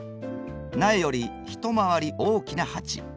苗より一回り大きな鉢。